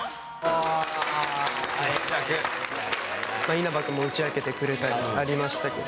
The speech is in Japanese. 稲葉君も打ち明けてくれたりありましたけど。